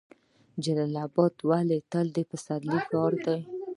جلال اباد ولې د تل پسرلي ښار دی؟